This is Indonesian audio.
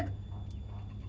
dia sedot aja